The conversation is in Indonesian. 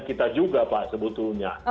kita juga pak sebetulnya